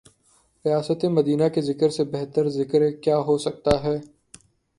ریاست مدینہ کے ذکر سے بہترذکر کیا ہوسکتاہے۔